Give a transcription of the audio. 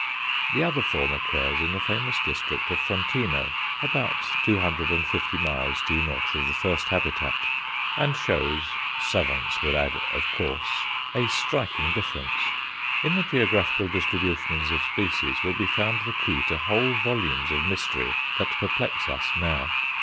The other form occurs in the famous district of Frontino, about two hundred and fifty miles due north of the first habitat, and shows savants would add "of course" a striking difference. In the geographical distinctions of species will be found the key to whole volumes of mystery that perplex us now.